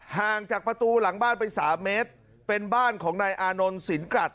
ห่างจากประตูหลังบ้านไป๓เมตรเป็นบ้านของนายอานนท์สินกรัฐ